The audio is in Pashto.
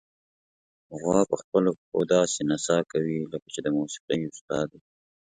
غوا په خپلو پښو داسې نڅا کوي، لکه چې د موسیقۍ استاد وي.